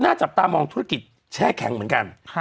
จับตามองธุรกิจแช่แข็งเหมือนกัน